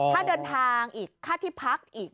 ค่าเดินทางอีกค่าที่พักอีก